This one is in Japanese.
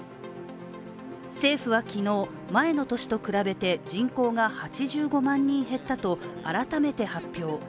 政府は昨日、前の年と比べて人口が８５万人減ったと改めて発表。